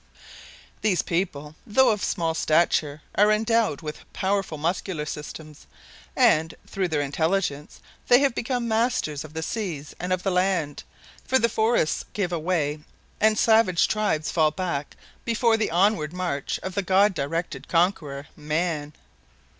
These people, though small of stature, are endowed with powerful muscular systems and, through their intelligence, they have become masters of the seas and of the land, for the forests give away and savage tribes fall back before the onward march of the God directed conqueror, man.